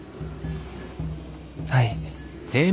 はい。